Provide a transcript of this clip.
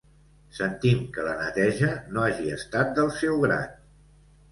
Sentim que la neteja no hagi estat del seu grat.